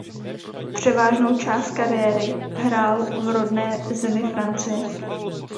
Převážnou část kariéry hrál v rodné zemi Francie.